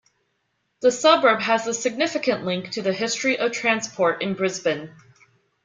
The suburb has a significant link to the history of transport in Brisbane.